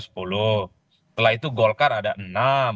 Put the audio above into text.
setelah itu golkar ada enam